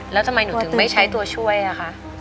แล้วทำไมหนูถึงไม่ใช้ตัวช่วยอะคะ